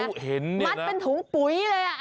แล้วเห็นเนี่ยนะมัดเป็นถุงปุ๋ยเลยอ่ะ